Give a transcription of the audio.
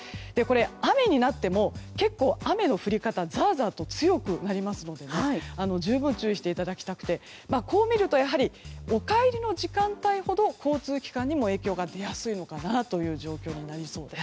雨になっても結構、雨の降り方はザーザーと強くなりますから十分ご注意していただきたくてこう見ると、やはりお帰りの時間帯ほど交通機関にも影響が出やすいのかなということになりそうです。